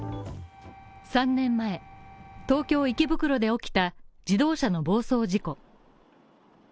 ３年前、東京・池袋で起きた自動車の暴走事故。